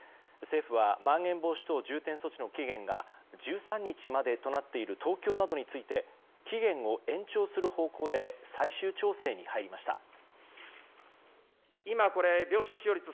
政府はまん延防止等重点措置の期限が１３日までとなっている東京などについて期限を延長する方向で最終調整に入りました。